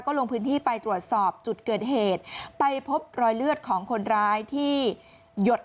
ลงพื้นที่ไปตรวจสอบจุดเกิดเหตุไปพบรอยเลือดของคนร้ายที่หยด